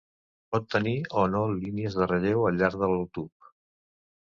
Pot tenir o no línies de relleu al llarg del tub.